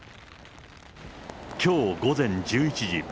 きょう午前１１時。